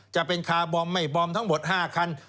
จะเป็นคาร์บอมไม่บอมทั้งหมด๕คัน